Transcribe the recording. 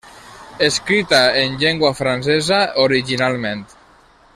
Escrita en llengua francesa originalment.